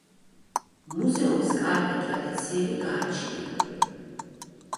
მუზეუმს კარგი ტრადიციები გააჩნია.